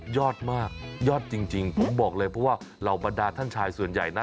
ยอดมากยอดจริงผมบอกเลยเพราะว่าเหล่าบรรดาท่านชายส่วนใหญ่นะ